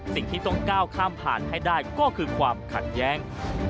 สิ่งที่ต้องก้าวข้ามผ่านให้ได้ก็คือความขัดแย้ง